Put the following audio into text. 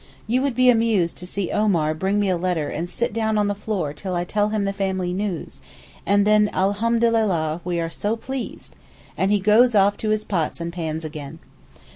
You would be amused to see Omar bring me a letter and sit down on the floor till I tell him the family news, and then Alhamdulillah, we are so pleased, and he goes off to his pots and pans again.